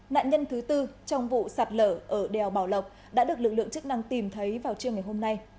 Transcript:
nạn nhân thứ tư trong vụ sạt lở ở đèo bảo lộc đã được lực lượng chức năng tìm thấy vào trưa ngày hôm nay